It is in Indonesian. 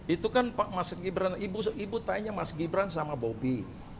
itu kan mas gibran ibu tanya mas gibran sama bobi